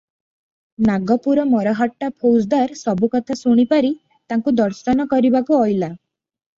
ନାଗପୁର ମରହଟ୍ଟା ଫୌଜଦାର ସବୁ କଥା ଶୁଣି ପାରି ତାଙ୍କୁ ଦର୍ଶନ କରିବାକୁ ଅଇଲା ।